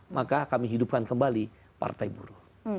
maka kami hidupkan kembali partai buruh